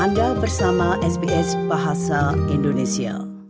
anda bersama sbs bahasa indonesia